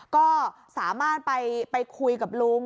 ก็สามารถไปคุยกับลุง